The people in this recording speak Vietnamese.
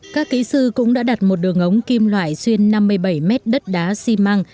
các kỹ sư cũng đã đặt một đường ống kim loại xuyên năm mươi bảy mét đất đá xi măng